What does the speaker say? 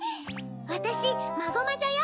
わたしマゴマジョよ。